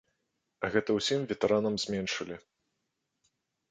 А гэта ўсім ветэранам зменшылі.